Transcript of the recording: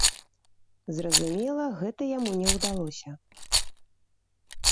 Зразумела, гэта яму не ўдалося.